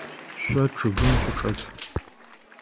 Шъо чъыгым шъучӏэт.